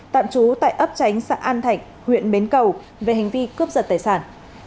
tạm trú tại ấp tránh xã an thạnh huyện bến cầu về hành vi cướp giật tài sản